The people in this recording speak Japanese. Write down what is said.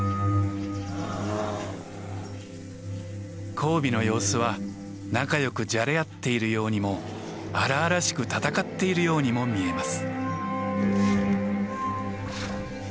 交尾の様子は仲よくじゃれ合っているようにも荒々しく戦っているようにも見えます。